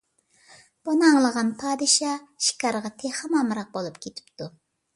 بۇنى ئاڭلىغان پادىشاھ شىكارغا تېخىمۇ ئامراق بولۇپ كېتىپتۇ.